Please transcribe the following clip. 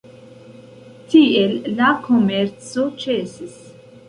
Tiel la komerco ĉesis.